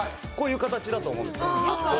こういう形だと思うんです。